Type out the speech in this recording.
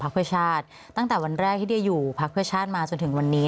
พรรคเครือชาติตั้งแต่วันแรกที่เดี๋ยวอยู่พรรคเครือชาติมาจนถึงวันนี้